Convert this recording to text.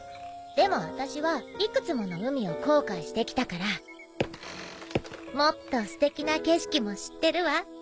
でもあたしは幾つもの海を航海してきたからもっとすてきな景色も知ってるわ。